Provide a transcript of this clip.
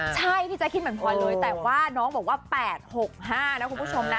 ใช่พี่แจ๊คคิดเหมือนพลอยเลยแต่ว่าน้องบอกว่า๘๖๕นะคุณผู้ชมนะ